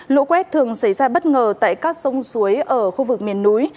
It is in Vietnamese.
lũ quét thường xảy ra bất ngờ tại các sông suối ở khu vực miền núi